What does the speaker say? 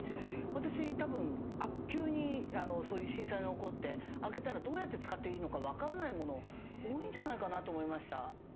私たぶん急にそういう震災が起こって開けたらどうやって使っていいのか分からないもの多いんじゃないかなと思いました。